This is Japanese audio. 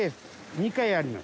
２回やります。